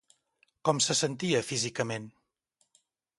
Com se sentia, físicament?